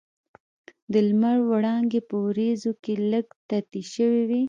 د لمر وړانګې په وریځو کې لږ تتې شوې وې.